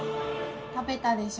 食べたでしょ。